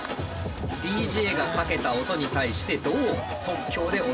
ＤＪがかけた音に対してどう即興で踊るか。